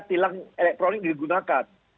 tilang elektronik digunakan